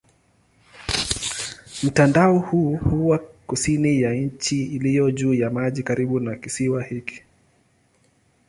Mtandao huu huwa kusini ya njia iliyo juu ya maji karibu na kisiwa hiki.